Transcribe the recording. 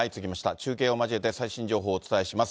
中継を交えて最新情報をお伝えします。